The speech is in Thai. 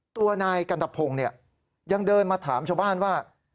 ตัวนายกันตะพงศ์เนี่ยยังเดินมาถามชาวบ้านว่า